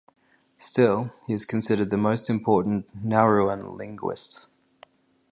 Still, he is considered the most important Nauruan linguist.